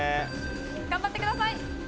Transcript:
頑張ってください！